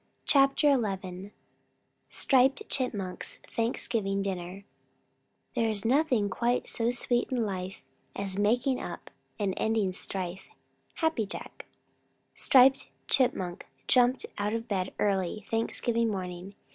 CHAPTER XI STRIPED CHIPMUNK'S THANKSGIVING DINNER There's nothing quite so sweet in life As making up and ending strife. Happy Jack. Striped Chipmunk jumped out of bed very early Thanksgiving morning.